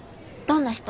どんな人？